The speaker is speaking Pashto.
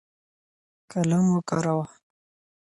قلم وکاروه.